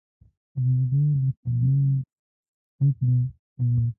ژوندي له خفګانه زده کړه کوي